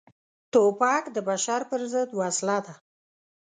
توپک د بشر پر ضد وسله ده.